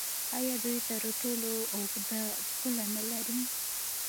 آیا دوی تر ټولو اوږده پوله نلري؟